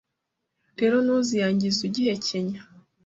rero ntuziyangize ugihekenya